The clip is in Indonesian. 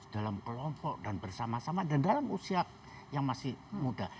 dalam kelompok dan bersama sama dan dalam usia yang masih muda